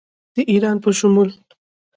د ایران په شمول